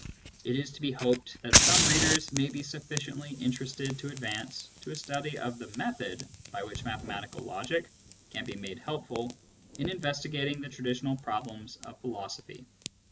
It is to be hoped that some readers may be sufficiently interested to advance to a study of the method by which mathematical logic can be made helpful in investigating the traditional problems of philosophy.